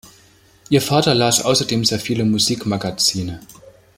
Ihr Vater las außerdem sehr viele Musikmagazine.